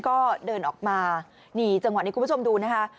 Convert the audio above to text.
ก็เดินออกมานี่จังหวะนี้คุณผู้ชมดูนะคะ